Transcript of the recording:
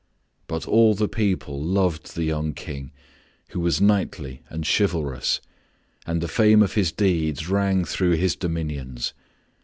But all the people loved the young King, who was knightly and chivalrous, and the fame of his deeds rang through his dominions.